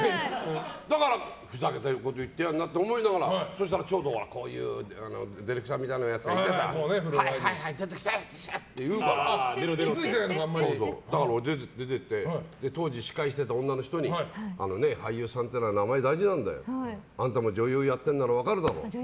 だから、ふざけたこと言ってるなと思いながらそうしたらディレクターみたいなやつがいてほらほら出てって言うから出て行って当時、司会していた女の人にあのね、俳優さんっていうのは名前大事なんだよ。あんたも女優やってるんだったら分かるだろう。